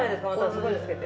すごいの着けて。